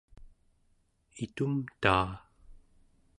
itumtaa